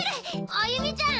歩美ちゃん！